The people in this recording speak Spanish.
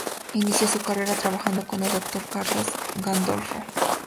Inició su carrera trabajando con el doctor Carlos Gandolfo.